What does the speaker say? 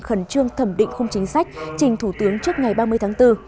khẩn trương thẩm định khung chính sách trình thủ tướng trước ngày ba mươi tháng bốn